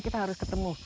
kita harus ketemu